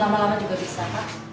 lama lama juga bisa